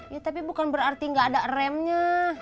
ya tapi bukan berarti nggak ada remnya